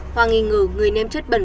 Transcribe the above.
hoa nghi ngờ người ném chất bẩn